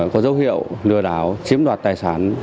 có dấu hiệu lừa đảo chiếm đoạt tài sản